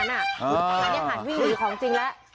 เป็นหานวิ่งดีของจริงแล้ว